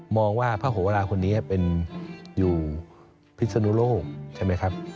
ว่าพระโหวราคนนี้เป็นอยู่พิศนุโลกใช่ไหมครับ